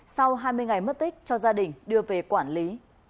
sau hai mươi ngày mất tích cho gia đình đưa về quản lý